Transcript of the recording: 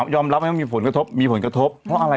อมรับไหมว่ามีผลกระทบมีผลกระทบเพราะอะไร